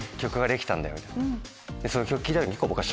その曲聴いた時に僕は。